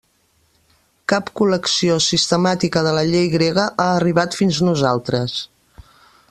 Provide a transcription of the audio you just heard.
Cap col·lecció sistemàtica de la llei grega ha arribat fins nosaltres.